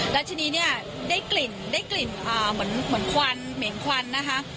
แล้วทีนี้เนี่ยได้กลิ่นได้กลิ่นเหมือนควันเหม็นควันนะคะ